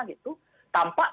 tidak ada yang bisa dikira